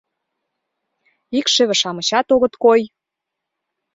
Икшыве-шамычат огыт кой.